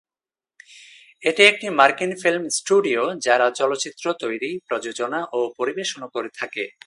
এটি একটি মার্কিন ফিল্ম স্টুডিও যারা চলচ্চিত্র তৈরি, প্রযোজনা, ও পরিবেশনা করে থাকে।